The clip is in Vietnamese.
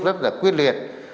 rất là quyết liệt